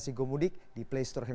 jangan lupa like share dan subscribe